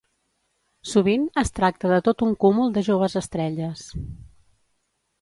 Sovint, es tracta de tot un cúmul de joves estrelles.